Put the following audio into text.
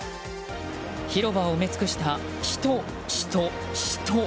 広場を埋め尽くした人、人、人。